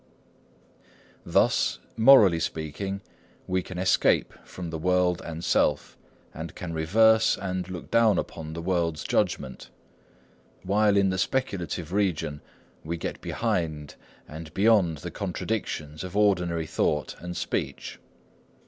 Thus, morally speaking, we can escape from the world and self, and can reverse and look down upon the world's judgments; while in the speculative region we get behind and beyond the contradictions of ordinary thought and speech.